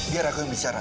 biar aku yang bicara